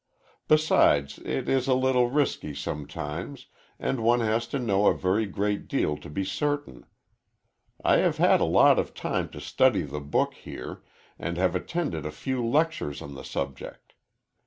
Besides, it is a little risky, sometimes, and one has to know a very great deal to be certain. I have had a lot of time to study the book here, and have attended a few lectures on the subject.